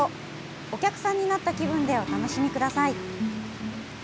お客さんになった気分でお楽しみください。